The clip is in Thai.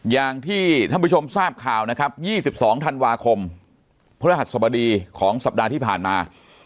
อย่างที่ท่านผู้ชมทราบข่าวนะครับ๒๒ธันวาคมพระรหัสสบดีของสัปดาห์ที่ผ่านมา